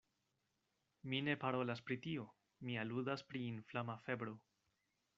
Mi ne parolas pri tio: mi aludas pri inflama febro.